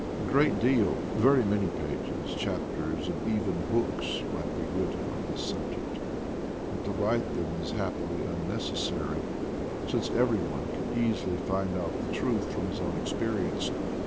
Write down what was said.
A great deal — very many pages, chap ters and even books — might be written on this subject, but to write them is happily unnecessary, since every one can easily find out the truth from his own experience.